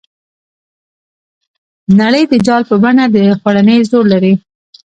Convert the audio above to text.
نړۍ د جال په بڼه د خوړنې زور لري.